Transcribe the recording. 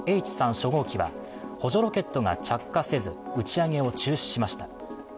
初号機は補助ロケットが着火せず打ち上げを中止しました。